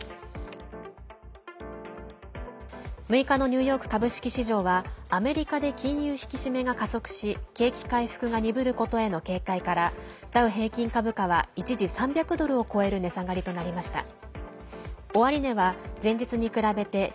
６日のニューヨーク株式市場はアメリカで金融引き締めが加速し景気回復が鈍ることへの警戒からダウ平均株価は一時３００ドルを超える値下がりとなりました。